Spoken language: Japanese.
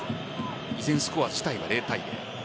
依然、スコア自体は０対０。